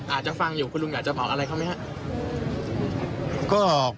อาจจะฟังอยู่คุณลุงอยากจะบอกอะไรเขาไหมครับ